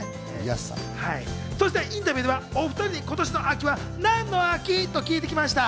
インタビューではお２人に今年の秋は何の秋？と聞いてきました。